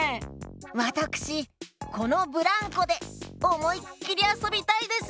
わたくしこのブランコでおもいっきりあそびたいです。